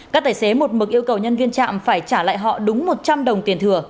các tài xế một mực yêu cầu nhân viên trạm phải trả lại họ đúng một trăm linh đồng tiền thừa